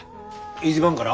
１番がら？